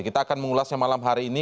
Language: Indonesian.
kita akan mengulasnya malam hari ini